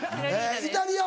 イタリア？